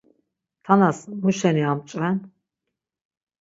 Tanas muşeni amç̌ven?